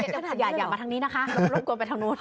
อย่ามาทางนี้นะคะเริ่มกวนไปทางนู่น